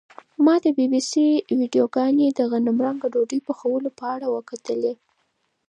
ما د بي بي سي ویډیوګانې د غنمرنګه ډوډۍ پخولو په اړه وکتلې.